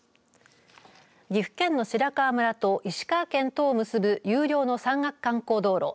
岐阜県の白川村と石川県とを結ぶ有料の山岳観光道路